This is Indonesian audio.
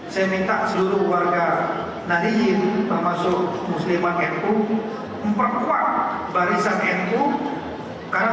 saya minta seluruh warga nahiyin termasuk muslimah npu memperkuat barisan npu karena